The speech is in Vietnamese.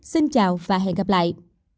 xin chào và hẹn gặp lại